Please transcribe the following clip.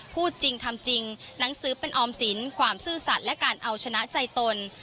พูดจริงทำจริงหนังสือเป็นออมสินความซื่อสัตว์และการเอาชนะใจตน